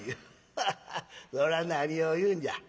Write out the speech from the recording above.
ハハッこら何を言うんじゃ」。